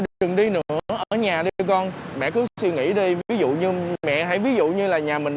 đừng đi nữa ở nhà đưa con mẹ cứ suy nghĩ đi ví dụ như mẹ hãy ví dụ như là nhà mình